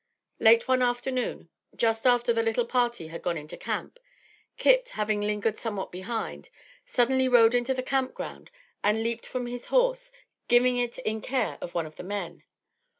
Late one afternoon, just after the little party had gone into camp, Kit, having lingered somewhat behind, suddenly rode into the camp ground and leaped from his horse, giving it in care of one of the men.